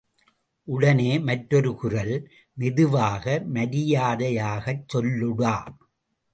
உடனே மற்றொரு குரல் மெதுவாக, மரியாதையாகச் சொல்லுடா.